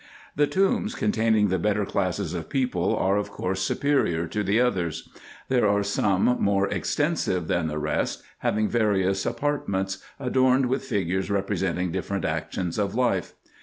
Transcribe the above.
The tombs containing the better classes of people are of course superior to the others. There are some more extensive than the rest, having various apartments, adorned with figures representing different actions of life.